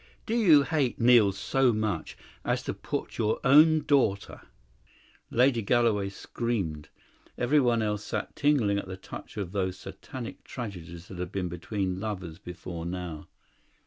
Do you hate Neil so much as to put your own daughter " Lady Galloway screamed. Everyone else sat tingling at the touch of those satanic tragedies that have been between lovers before now.